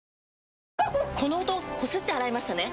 この音こすって洗いましたね？